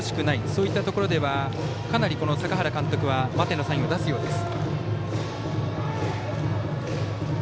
そういったところではかなり坂原監督は待てのサインを出すようです。